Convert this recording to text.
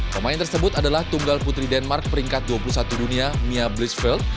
pemain tersebut adalah tunggal putri denmark peringkat dua puluh satu dunia mia brisffield